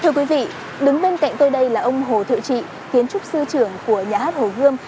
thưa quý vị đứng bên cạnh tôi đây là ông hồ thượng trị kiến trúc sư trưởng của nhà hát hồ gươm